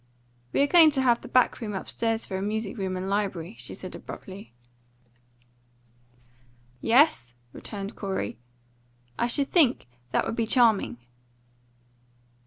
"We are going to have the back room upstairs for a music room and library," she said abruptly. "Yes?" returned Corey. "I should think that would be charming."